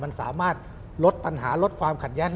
มันสามารถลดปัญหาลดความขัดแย้ง